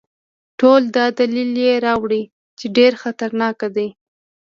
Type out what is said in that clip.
ټول دا دلایل یې راوړي چې ډېر خطرناک دی.